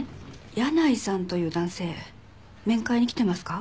箭内さんという男性面会に来てますか？